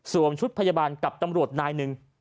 ชุดพยาบาลกับตำรวจนายหนึ่ง